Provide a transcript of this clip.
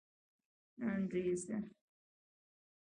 نن وريځ ده